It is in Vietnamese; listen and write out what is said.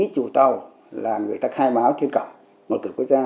chủ tàu là người ta khai báo trên cổng một cửa quốc gia